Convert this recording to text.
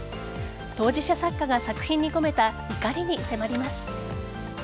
当事者作家が作品に込めた怒りに迫ります。